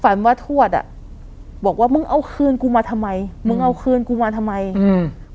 ฝันว่าทวดอ่ะบอกว่ามึงเอาคืนกูมาทำไมมึงเอาคืนกูมาทำไมอืม